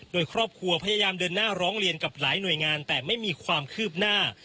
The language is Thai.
โดยครอบครัวพยายามเดินหน้าร้องเรียนกับหลายหน่วยงานแต่ไม่มีความคืบหน้า